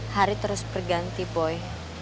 hari terus berganti boy